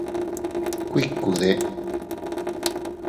¿Kuikude?